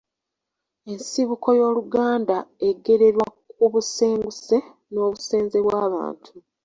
Ensibuko y’Oluganda egererwa ku busenguse n’obusenze bwa Babantu